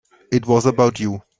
It was about you.